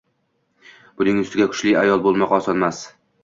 Buning ustiga kuchli ayol boʻlmoq osonmas.